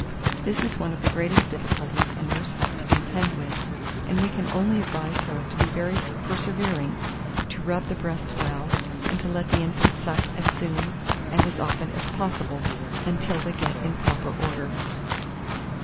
This is one of the greatest difficulties a nurse has to contend with, and we can only advise her to be very persevering, to rub the breasts well, and to let the infant suck as soon and as often as possible, until they get in proper order.